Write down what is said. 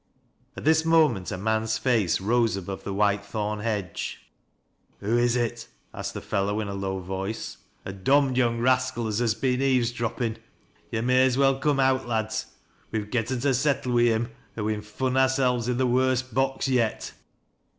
At this moment a man's face rose above the whitethorn hedge. " "Who is it ?" asked the fellow, in a low voice. " A dom'd young rascal as has been eaves droppin'. Yo' may as well coom out, lads. We've getten to settle wi' him, or we'n fun ourselves in th' worst box yet."